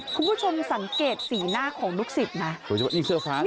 คุณผู้ชมสังเกตสีหน้าของลูกศิษย์นะ